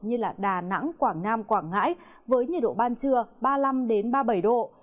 như đà nẵng quảng nam quảng ngãi với nhiệt độ ban trưa ba mươi năm ba mươi bảy độ